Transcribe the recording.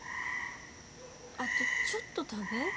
あとちょっと食べ。